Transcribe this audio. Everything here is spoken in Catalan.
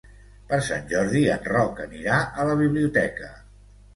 Per Sant Jordi en Roc anirà a la biblioteca.